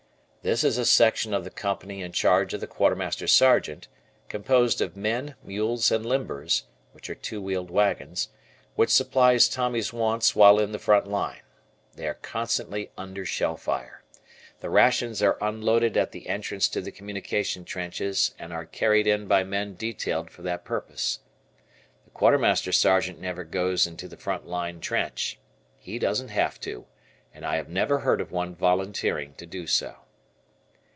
This is a section of the company in charge of the Quartermaster Sergeant composed of men, mules, and limbers (two wheeled wagons), which supplies Tommy's wants while in the front line. They are constantly under shell fire. The rations are unloaded at the entrance to the communication trenches and are "carried in" by men detailed for that purpose. The Quartermaster Sergeant never goes into the front line trench. He doesn't have to, and I have never heard of one volunteering to do so.